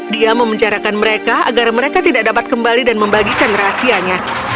dia memencarakan mereka agar mereka tidak dapat kembali dan membagikan rahasianya